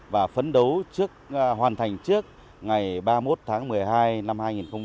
và phấn đấu hoàn thành trước ngày ba mươi một tháng một mươi hai năm hai nghìn một mươi sáu